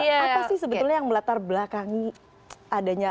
apa sih sebetulnya yang melatar belakangi adanya